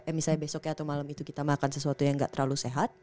eh misalnya besoknya atau malam itu kita makan sesuatu yang nggak terlalu sehat